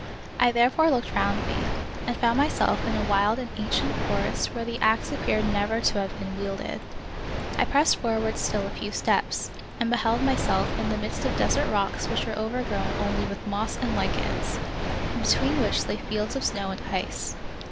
I therefore looked round me, and found myself in a wild and ancient forest where the axe appeared never to have been wielded. I pressed forward still a few steps, and beheld myself in the midst of desert rocks which were overgrown only with moss and lichens, and between which lay fields of snow an.d ice.